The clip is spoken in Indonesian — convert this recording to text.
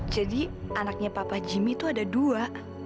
jadi anaknya papa jimmy tuh ada dua